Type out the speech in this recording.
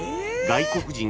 外国人。